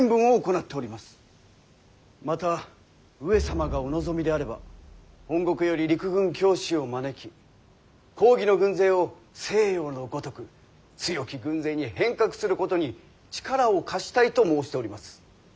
また上様がお望みであれば本国より陸軍教師を招き公儀の軍勢を西洋のごとく強き軍勢に変革することに力を貸したいと申しております。